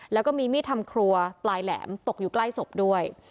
แล้วก็มีมีดทำครัวปลายแหลมตกอยู่ใกล้ศพด้วย